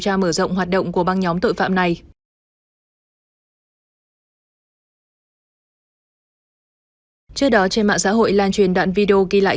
tượng hoạt động của băng nhóm tội phạm này trước đó trên mạng xã hội lan truyền đoạn video ghi lại